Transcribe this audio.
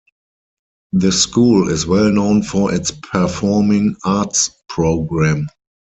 The school is well known for its performing arts program.